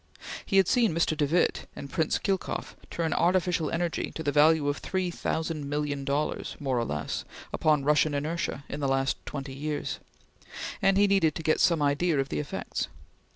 He had seen Mr. de Witte and Prince Khilkoff turn artificial energy to the value of three thousand million dollars, more or less, upon Russian inertia, in the last twenty years, and he needed to get some idea of the effects.